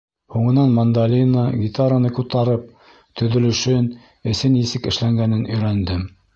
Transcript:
Һуңынан мандолина, гитараны ҡутарып, төҙөлөшөн, эсе нисек эшләнгәнен өйрәндем.